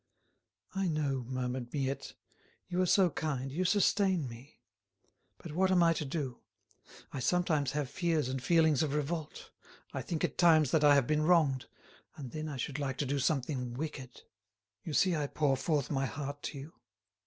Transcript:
"I know," murmured Miette. "You are so kind, you sustain me. But what am I to do? I sometimes have fears and feelings of revolt. I think at times that I have been wronged, and then I should like to do something wicked. You see I pour forth my heart to you.